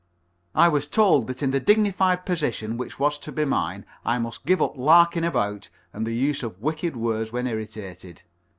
I was told that in the dignified position which was to be mine I must give up larking about and the use of wicked words when irritated.